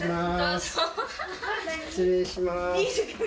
失礼します。